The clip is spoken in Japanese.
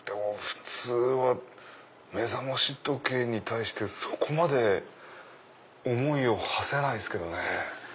普通は目覚まし時計に対してそこまで思いをはせないですけどね。